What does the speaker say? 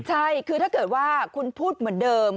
ใช่คือถ้าเกิดว่าคุณพูดเหมือนเดิม